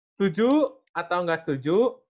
setuju atau nggak setuju